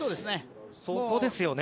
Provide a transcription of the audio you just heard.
そこですよね。